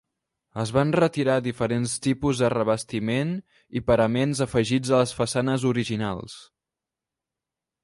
Es van retirar diferents tipus de revestiment i paraments afegits a les façanes originals.